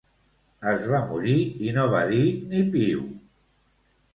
Es va morir i no va dir ni piu